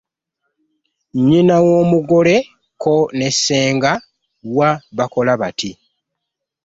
Nnyina w’omugole ko ne ssenga wa bakola bati.